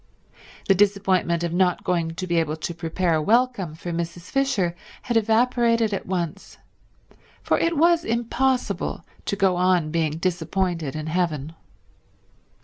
The disappointment of not going to be able to prepare a welcome for Mrs. Fisher had evaporated at once, for it was impossible to go on being disappointed in heaven.